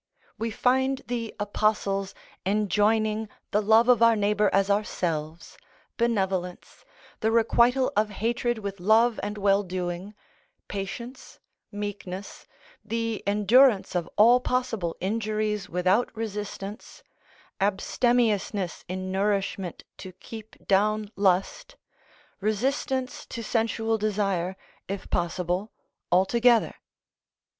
We find the Apostles enjoining the love of our neighbour as ourselves, benevolence, the requital of hatred with love and well doing, patience, meekness, the endurance of all possible injuries without resistance, abstemiousness in nourishment to keep down lust, resistance to sensual desire, if possible, altogether.